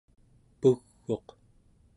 pug'uq